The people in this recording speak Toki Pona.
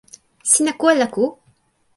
sina ku ala ku?